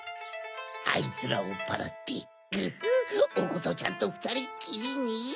あいつらをおっぱらってグフっおことちゃんとふたりっきりに。